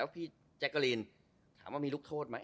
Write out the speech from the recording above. พี่แจ๊กกะลีนถามว่ามีลูกโทษไหม